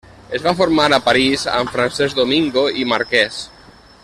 Es va formar a París amb Francesc Domingo i Marquès.